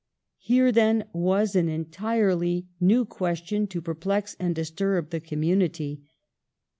Here, then, was an entirely new question to per plex and disturb the community.